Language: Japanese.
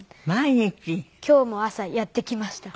今日も朝やってきました。